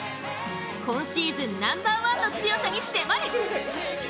今シーズンナンバーワンの強さに迫る！